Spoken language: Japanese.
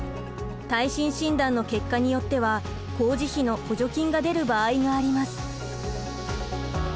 耐震診断の結果によっては工事費の補助金が出る場合があります。